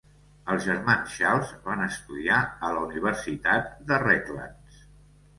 Els germans Charles van estudiar a la Universitat de Redlands.